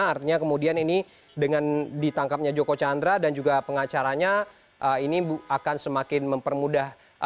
artinya kemudian ini dengan ditangkapnya joko chandra dan juga pengacaranya ini akan semakin mempermudah